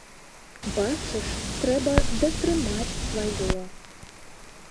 Бачыш, трэба датрымаць сваё.